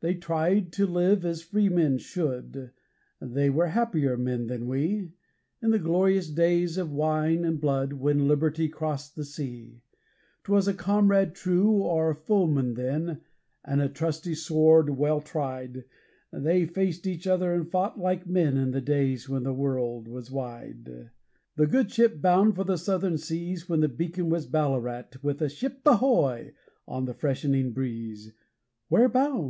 They tried to live as a freeman should they were happier men than we, In the glorious days of wine and blood, when Liberty crossed the sea; 'Twas a comrade true or a foeman then, and a trusty sword well tried They faced each other and fought like men in the days when the world was wide. The good ship bound for the Southern seas when the beacon was Ballarat, With a 'Ship ahoy!' on the freshening breeze, 'Where bound?'